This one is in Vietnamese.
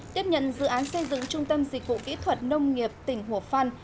tiếp nhận dự án xây dựng trung tâm dịch vụ kỹ thuật nông nghiệp tỉnh hồ phan